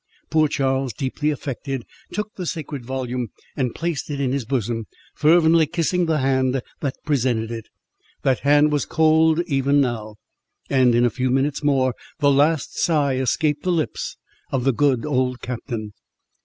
Poor Charles, deeply affected, took the sacred volume, and placed it in his bosom, fervently kissing the hand that presented it—that hand was cold even now, and in a few minutes more the last sigh escaped the lips of the good old captain.